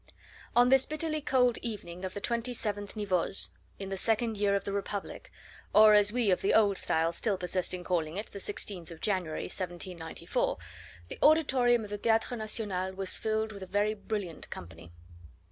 On this bitterly cold evening of the 27th Nivose, in the second year of the Republic or, as we of the old style still persist in calling it, the 16th of January, 1794 the auditorium of the Theatre National was filled with a very brilliant company.